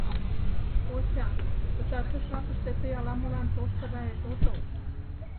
— Ося, пытартыш жапыште тый ала-молан тошто гает отыл.